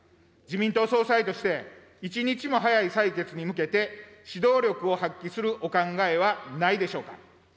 自民党総裁として、一日も早い採決に向けて、指導力を発揮するお考えはないでしょうか。